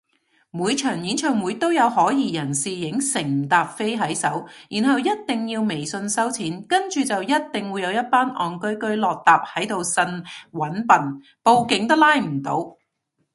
每場演唱會都有可疑人士影成疊飛喺手然後一定要微信收錢，跟住就一定會有一班戇居居落疊喺度呻搵笨，報警都拉唔到